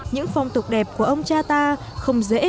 những phong tục đẹp của ông cha ta không dễ bị lãng quên